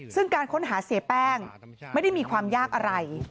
ซึ่งการค้นหาเสียแป้งไม่ได้มีความยากอะไร